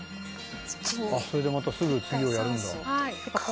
「それでまたすぐ次をやるんだ」